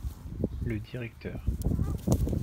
Le directeur.